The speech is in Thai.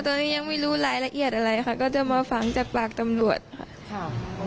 ตอนนี้ยังไม่รู้รายละเอียดอะไรค่ะก็จะมาฟังจากปากตำรวจค่ะ